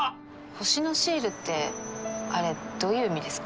星のシールってあれどういう意味ですか？